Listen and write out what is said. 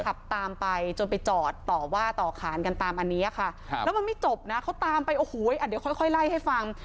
ขับตามไปจนไปจอดต่อว่าต่อขานกันตามอันนี้ค่ะแล้วมันไม่จบนะเขาตามไปโอ้โหเดี๋ยวค่อยไล่ให้ฟัง